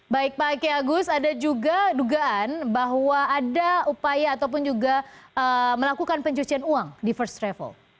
baik pak kia agus ada juga dugaan bahwa ada upaya ataupun juga melakukan pencucian uang di first travel